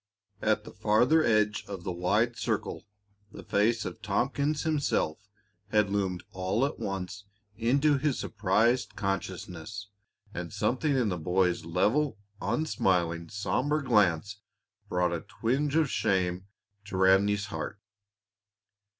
At the farther edge of the wide circle the face of Tompkins himself had loomed all at once into his surprised consciousness, and something in the boy's level, unsmiling, somber glance brought a twinge of shame to Ranleigh's heart.